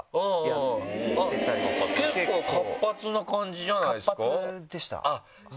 結構活発な感じじゃないですか？